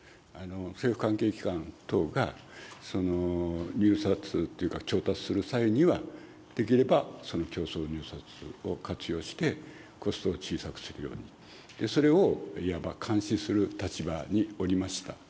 政府関係機関等が、入札というか、調達する際には、できれば、その競争入札を活用して、コストを小さくするように、それをいわば監視する立場におりました。